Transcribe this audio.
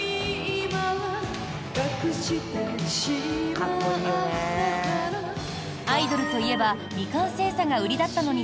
かっこいいよね。